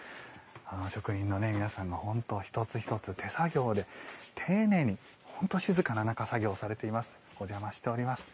職人の皆さんの一つ一つ手作業で丁寧に、本当静かな中作業されています。